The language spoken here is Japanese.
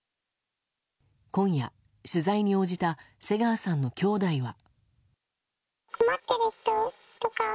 今夜、取材に応じた瀬川さんのきょうだいは。